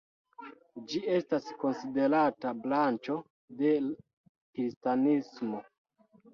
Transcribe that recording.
Ĝi estas konsiderata branĉo de kristanismo.